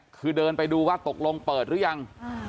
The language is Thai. คือเดินไปดูว่าตกลงเปิดหรือยัง